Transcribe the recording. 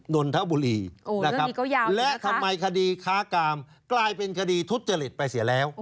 นนทบุรีและทำไมคดีค้ากามกลายเป็นคดีทุษฎาเร็ดไปเสียแล้ว